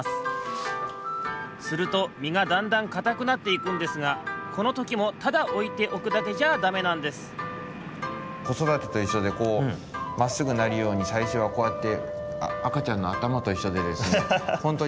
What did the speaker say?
するとみがだんだんかたくなっていくんですがこのときもただおいておくだけじゃだめなんですこそだてといっしょでこうまっすぐなるようにさいしょはこうやってあかちゃんのあたまといっしょでですね。